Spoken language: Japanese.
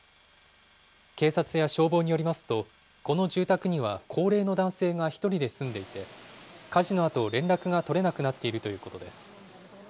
警察や消防によりますと、この住宅には高齢の男性が１人で住んでいて、火事のあと、連絡が取れなくなっているということです。